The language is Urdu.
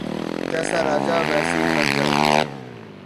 جیسا راجا ویسی پرجا